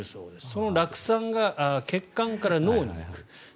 その酪酸が血管から脳に行く。